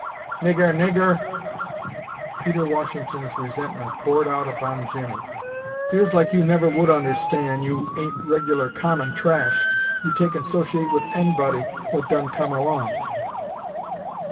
'"] "Nig ger r r! Nig ger r r!" Peter Washington's resentment poured out upon Jimmie. "'Pears like you never would understan' you ain't reg'lar common trash. You take an' 'sociate with an'body what done come erlong."